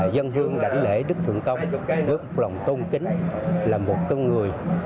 dân hương đảnh lễ đức thượng công nước lòng tôn kính là một con người